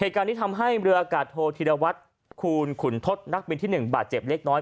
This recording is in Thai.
เหตุการณ์ที่ทำให้เรืออากาศธิดะวัดคูณทศนักบินที่บาดเจ็บเล็กน้อย